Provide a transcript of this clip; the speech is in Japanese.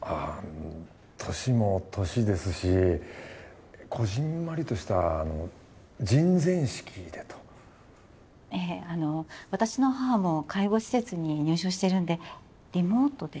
年も年ですしこぢんまりとした人前式でとええあの私の母も介護施設に入所してるんでリモートで？